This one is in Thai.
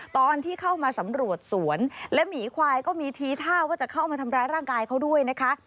ตอนที่เข้ามาสำรวจสวนและหมีควายก็มีทีท่าว่าจะเข้ามาทำร้ายร่างกายเขาด้วยนะคะ